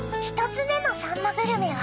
２つ目のさんまグルメは